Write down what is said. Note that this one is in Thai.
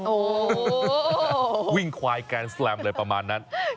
โอ้โหวิ่งควายแกนแลมเลยประมาณนั้น